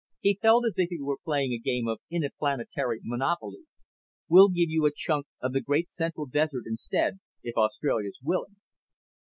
He felt as if he were playing a game of interplanetary Monopoly. "Well give you a chunk of the great central desert instead, if Australia's willing.